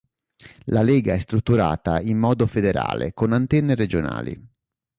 La Lega è strutturata in modo federale, con antenne regionali.